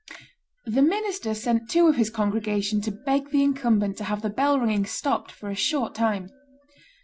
The minister sent two of his congregation to beg the incumbent to have the bell ringing stopped for a short time.